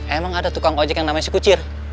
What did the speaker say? emang ada tukang ojek yang namanya si kucir